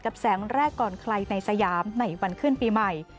แสงแรกก่อนใครในสยามในวันขึ้นปีใหม่